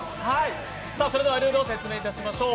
それではルールを説明いたしましょう。